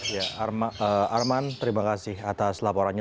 ya arman terima kasih atas laporannya